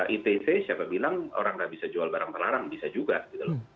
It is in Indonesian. itc siapa bilang orang nggak bisa jual barang terlarang bisa juga gitu loh